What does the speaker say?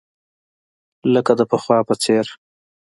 لکه د پخوا په څېر.